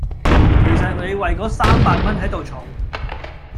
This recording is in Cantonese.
其實你為嗰三百蚊喺度嘈